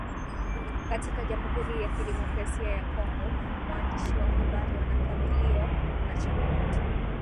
katika jamhuri ya Kidemokrasia ya kongo waandishi wa habari wanakabiliwa na changamoto